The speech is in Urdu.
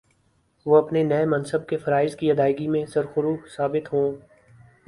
وہ اپنے نئے منصب کے فرائض کی ادائیگی میں سرخرو ثابت ہوں